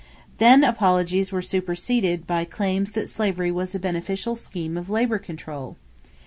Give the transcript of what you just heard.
Then apologies were superseded by claims that slavery was a beneficial scheme of labor control.